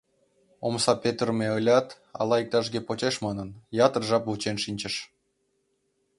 Омса петырыме ылят, ала иктаж-кӧ почеш манын, ятыр жап вучен шинчыш.